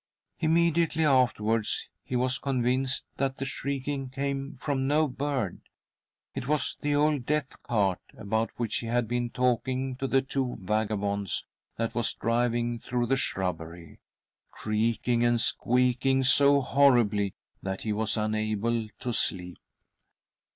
Immediately afterwards he was convinced that the shrieking came from no bird — it was the old death cart, about which he had been talking to the two vagabonds that was driving through the shrubbery, creaking and squeaking so horribly that he was unable to sleep.